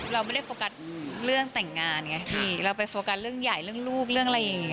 เราไม่ได้โฟกัสเรื่องแต่งงานไงพี่เราไปโฟกัสเรื่องใหญ่เรื่องลูกเรื่องอะไรอย่างนี้